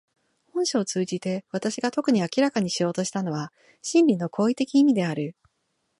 本書を通じて私が特に明らかにしようとしたのは真理の行為的意味である。